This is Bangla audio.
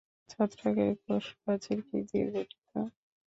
ছত্রাকের কোষপ্রাচীর কী দিয়ে গঠিত?